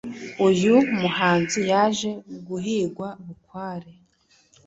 uyu muhanzi yaje guhigwa bukware